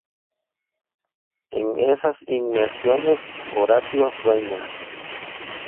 En esas inmersiones, Horatio sueña.